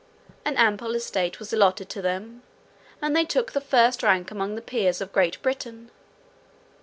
An ample estate was allotted to them, and they took the first rank among the peers of Great Britain.